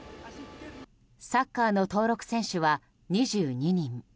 サッカーの登録選手は２２人。